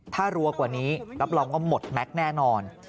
ถ้ารัวกว่านี้รับรองว่าหมดแม็กซ์แน่นอน